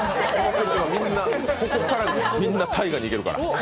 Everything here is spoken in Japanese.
ここからみんな大河にいけるから。